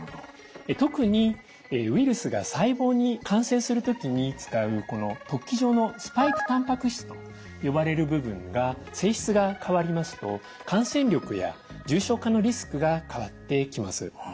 特にウイルスが細胞に感染する時に使うこの突起状のスパイクたんぱく質と呼ばれる部分が性質が変わりますと感染力や重症化のリスクが変わってきます。